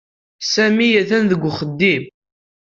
Sami atan deg uxeddim.